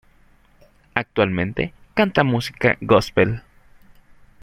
Actualmente canta música Gospel.